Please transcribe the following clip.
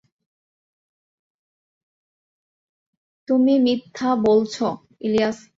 তুমি মিথ্যা বলছ, ইলিয়াস।